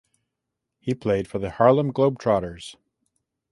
He played for the Harlem Globetrotters.